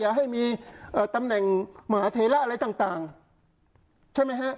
อย่าให้มีตำแหน่งมหาเทระอะไรต่างใช่ไหมฮะ